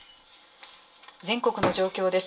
全国の状況です。